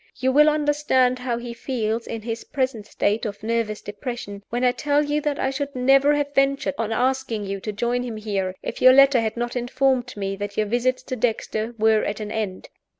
You will understand how he feels, in his present state of nervous depression, when I tell you that I should never have ventured on asking you to join him here, if your letter had not informed me that your visits to Dexter were at an end.